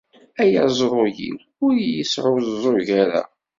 Ay aẓru-iw, ur iyi-sɛuẓẓug ara!